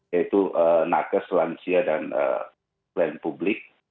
yaitu nakes lansia dan klien publik